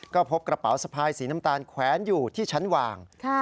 ก็พบกระเป๋าสะพายสีน้ำตาลแขวนอยู่ที่ชั้นวาง